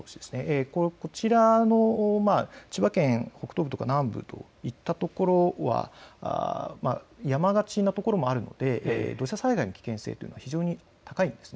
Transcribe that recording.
こちらの千葉県北東部とか南部といったところは山がちなところもあるので土砂災害の危険性というのが非常に高いんです。